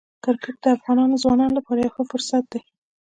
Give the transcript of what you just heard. کرکټ د افغان ځوانانو لپاره یو ښه فرصت دی.